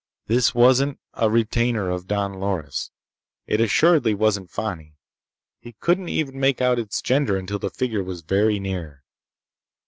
This wasn't a retainer of Don Loris'. It assuredly wasn't Fani. He couldn't even make out its gender until the figure was very near.